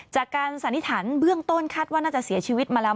สันนิษฐานเบื้องต้นคาดว่าน่าจะเสียชีวิตมาแล้ว